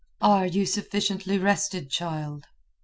"Are you sufficiently rested, child?"